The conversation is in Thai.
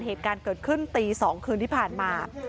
เหตุการณ์เกิดขึ้นตี๒คืนที่ผ่านมา